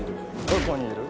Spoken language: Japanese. どこにいる？